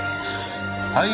はい。